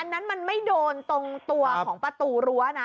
อันนั้นมันไม่โดนตรงตัวของประตูรั้วนะ